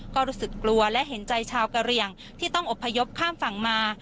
ก็รู้สึกกลัวและเห็นใจชาวกะเหลี่ยงที่ต้องอบพยพข้ามฝั่งมา